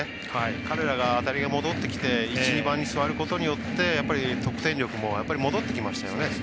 彼ら辺りが戻ってきて１、２番に座ることによって得点力も戻ってきましたよね。